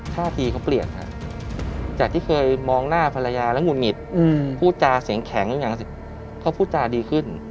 ท่าทีเขาเปลี่ยนฮะจากที่เคยมองหน้าภรรยาและหมุนมิตรพูดจาเสียงแข็งอย่างสิเขาพูดจาดีขึ้น